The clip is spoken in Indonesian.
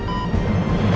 ya allah papa